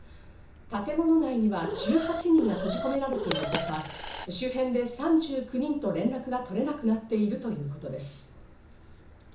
建物内には１８人が閉じ込められているほか、周辺で３９人と連絡が取れなくなっているということです。